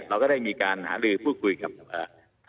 เราก็ได้มีการหาลือพูดคุยกับ